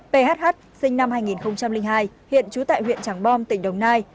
phh sinh năm hai nghìn hai hiện trú tại huyện tràng bom tỉnh đồng nai